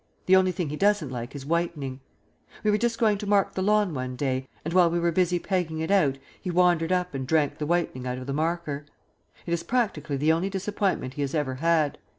The only thing he doesn't like is whitening. We were just going to mark the lawn one day, and while we were busy pegging it out he wandered up and drank the whitening out of the marker. It is practically the only disappointment he has ever had.